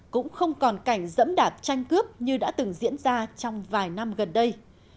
cũng không còn cảnh dẫm đạp tranh cướp như đã từng diễn ra trong vài năm gần đây